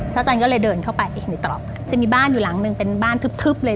ท้าวจันก็เลยเดินเข้าไปจะมีบ้านอยู่หลังนึงเป็นบ้านทึบเลย